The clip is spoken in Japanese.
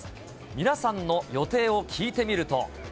皆さんの予定を聞いてみると。